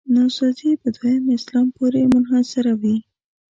نوسازي په دویم اسلام پورې منحصروي.